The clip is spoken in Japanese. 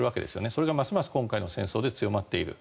それがますます今回の戦争で強まっている。